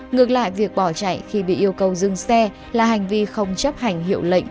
ngược lại việc bỏ chạy khi bị yêu cầu dừng xe là hành vi không chấp hành hiệu lệnh